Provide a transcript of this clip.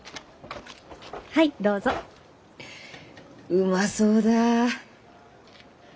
うまそうだ。